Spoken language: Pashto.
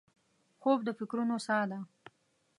خوب د فکرونو سا ده